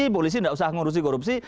polisi tidak usah ngurusi korupsi